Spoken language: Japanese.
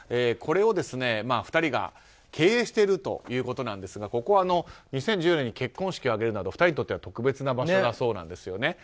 これを２人が経営しているということですがここは２０１４年に結婚式を挙げるなど２人にとっては特別な場所なんだそうです。